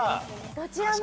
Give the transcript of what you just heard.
◆どちらも。